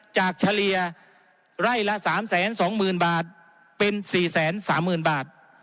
เฉลี่ยไร่ละ๓๒๐๐๐บาทเป็น๔๓๐๐๐บาท